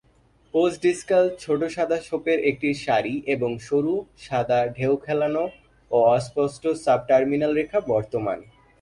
Post-discal ছোট সাদা ছোপের একটি সারি এবং সরু, সাদা, ঢেউ খেলানো ও অস্পষ্ট সাব-টার্মিনাল রেখা বর্তমান।